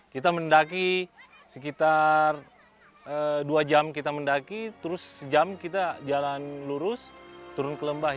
kita mendaki sekitar dua jam kita mendaki terus sejam kita jalan lurus turun ke lembah